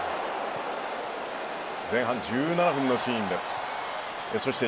前半１７分のシーンでした。